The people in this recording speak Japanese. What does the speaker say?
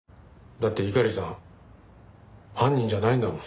だって猪狩さん犯人じゃないんだもん。